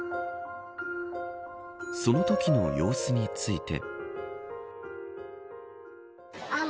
そのときの様子について。